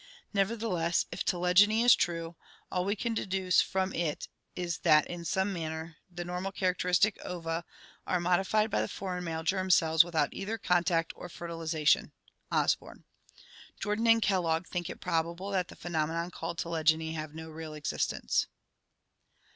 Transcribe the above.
Nevertheless, if telegony is true, all we can deduce from it is that in some manner the normal characteristic ova are modified by the foreign male germ cells without either contact or fertilization (Osborn). Jordan and Kellogg think it probable that the phenomena called telegony have no real existence.